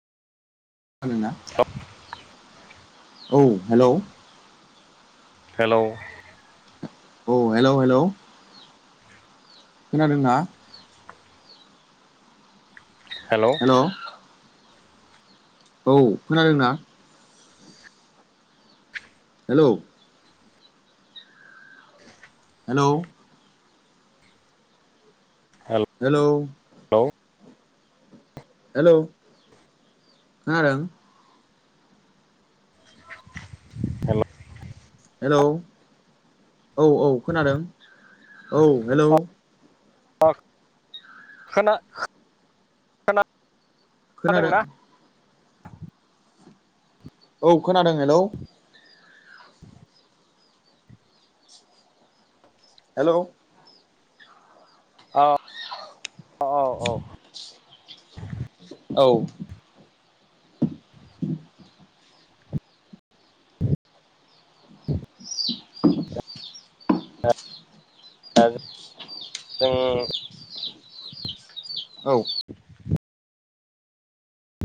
[unintelligible] औ hello hello. औ hello hello. खोनादोंना? हेल'। [unintelligible] औ खोनादोंना? हेलौ। हेल'। हेल। हेल'। [unintelligible] हेल' खोनादों? हेल'। हेलौ औ औ खोनादों, औ हेलौ। अ खोनादों [unintelligible] औ खोनादों हेलौ। [inaudible] हेल'। अ औ औ। औ। [unintelligible] [inaudible] दा जों औ। [inaudible]